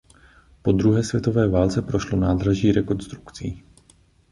Po druhé světové válce prošlo nádraží rekonstrukcí.